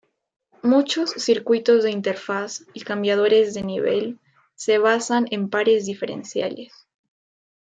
Muchos circuitos de interfaz y cambiadores de nivel se basan en pares diferenciales.